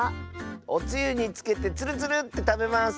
おつゆにつけてツルツルッてたべます。